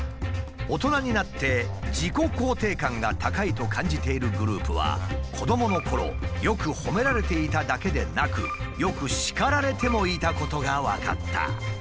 大人になって自己肯定感が高いと感じているグループは子どものころよくほめられていただけでなくよく叱られてもいたことが分かった。